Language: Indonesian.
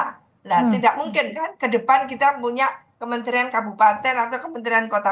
nah tidak mungkin kan ke depan kita punya kementerian kabupaten atau kementerian kota